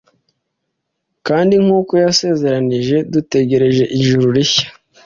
Kandi nk uko yasezeranije dutegereje ijuru rishya